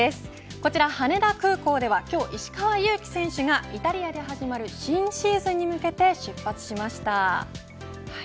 こちら羽田空港では今日石川選手がイタリアで始まる新シーズンに向けて出発しました。